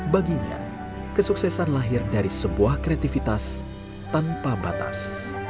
baginya kesuksesan lahir dari sebuah kreativitas tanpa batas